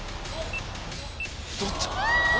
どっち？